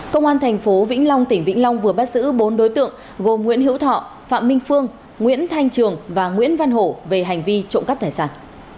công an tp vĩnh long tỉnh vĩnh long vừa bắt giữ bốn đối tượng gồm nguyễn hữu thọ phạm minh phương nguyễn thanh trường và nguyễn văn hổ về hành vi trộm cắp tài sản